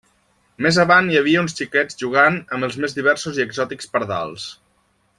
Més avant hi havia uns xiquets jugant amb els més diversos i exòtics pardals.